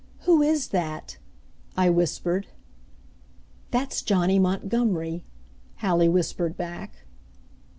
"Who is that?" I whispered. "That's Johnny Montgomery," Hallie whispered back.